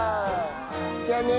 じゃあね！